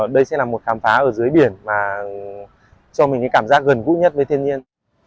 đây sẽ là một khám phá ở dưới biển và cho mình cái cảm giác gần gũ nhất với thiên nhiên